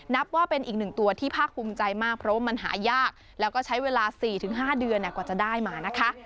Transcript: นับว่าเป็นอีกหนึ่งตัวที่ภาคภูมิใจมากเพราะว่ามันหายากแล้วก็ใช้เวลา๔๕เดือนกว่าจะได้มานะคะ